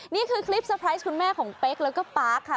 นี่คือคลิปเตอร์ไพรส์คุณแม่ของเป๊กแล้วก็ปาร์คค่ะ